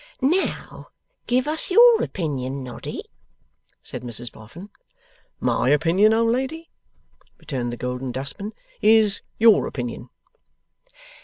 'Now, give us your opinion, Noddy,' said Mrs Boffin. 'My opinion, old lady,' returned the Golden Dustman, 'is your opinion.